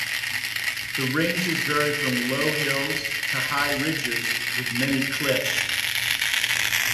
The ranges vary from low hills to high ridges with many cliffs.